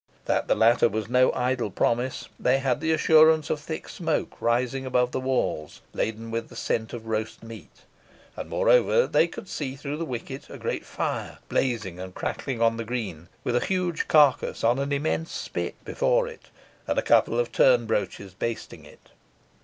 That the latter was no idle promise they had the assurance of thick smoke rising above the walls, laden with the scent of roast meat, and, moreover, they could see through the wicket a great fire blazing and crackling on the green, with a huge carcass on an immense spit before it, and a couple of turn broaches basting it.